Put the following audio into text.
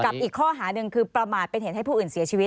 อีกข้อหาหนึ่งคือประมาทเป็นเหตุให้ผู้อื่นเสียชีวิต